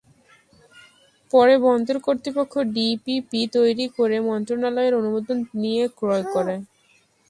পরে বন্দর কর্তৃপক্ষ ডিপিপি তৈরি করে মন্ত্রণালয়ের অনুমোদন নিয়ে ক্রয় করে।